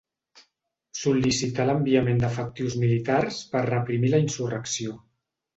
Sol·licità l'enviament d'efectius militars per reprimir la insurrecció.